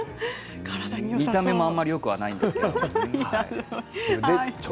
見た目はあまりよくないんですけれど。